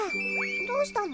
どうしたの？